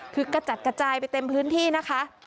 คือกระจัดกระจายไปเต็มพื้นที่นะคะ